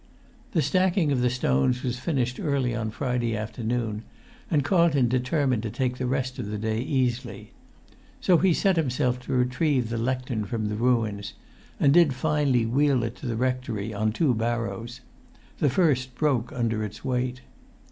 The stacking of the stones was finished early on[Pg 133] the Friday afternoon, and Carlton determined to take the rest of that day easily. So he set himself to retrieve the lectern from the ruins, and did finally wheel it to the rectory, on two barrows; the first broke under its weight.